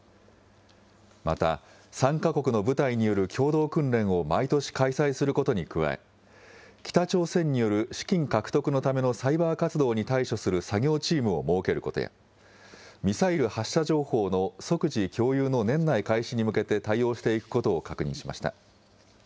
また３か国の部隊による共同訓練を毎年開催することに加え、北朝鮮による資金獲得のためのサイバー活動に対処する作業チームを設けることや、ミサイル発射情報の即時共有の年内開始に向けて対応していくことを確認しました。